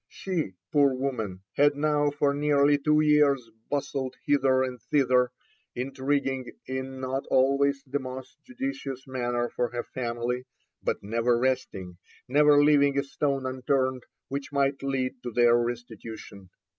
She, poor woman, had now for nearly two years bustled hither and thither, intriguing in not always the most judicious manner for her family, but never resting, never leaving a stone unturned which might lead to their restitution.